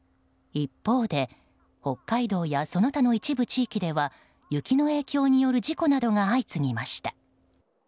一方で北海道やその他の一部地域では雪の影響による事故などが相次ぎました。